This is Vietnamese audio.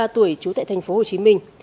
bốn mươi ba tuổi trú tại thành phố hồ chí minh